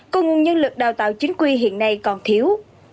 công nhân lực đào tạo chính quy hiện nay còn thiếu